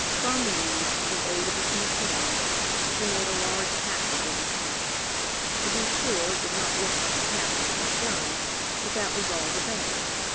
From these, with the aid of a few pins, she made a large package of the hat. To be sure, it did not look like a hat when it was done, but that was all the better.